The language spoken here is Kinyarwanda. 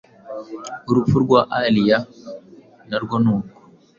Urupfu rwa Aaliyah narwo nuko